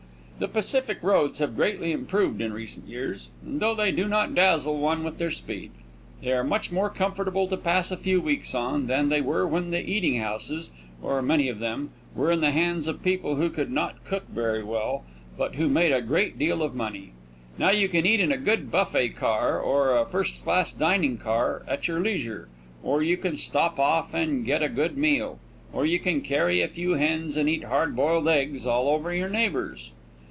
The Pacific roads have greatly improved in recent years, and though they do not dazzle one with their speed, they are much more comfortable to pass a few weeks on than they were when the eating houses, or many of them, were in the hands of people who could not cook very well, but who made a great deal of money. Now you can eat in a good buffet car, or a first class dining car, at your leisure, or you can stop off and get a good meal, or you can carry a few hens and eat hard boiled eggs all over your neighbors.